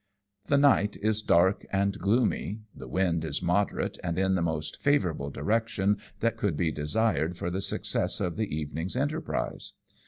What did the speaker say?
The night is dark and gloomy ; the wind is moderate and in the most favourable direction that could be desired for the success of the evening's enterprise.